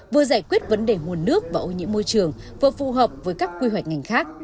vừa giải quyết vấn đề nguồn nước và ô nhiễm môi trường vừa phù hợp với các quy hoạch ngành khác